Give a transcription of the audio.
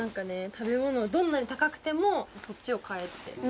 食べ物はどんなに高くてもそっちを買えって。